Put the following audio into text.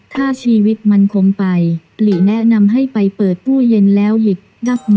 ถ้าชีวิตมันคงไปหลีแนะนำให้ไปเปิดตู้เย็นแล้วหยิบมือ